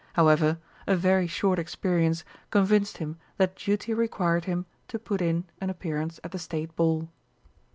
However, a very short experience convinced him that duty required him to put in an appearance at the State Ball.